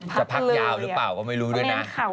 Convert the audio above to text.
จะพักยาวหรือเปล่าก็ไม่รู้ด้วยนะ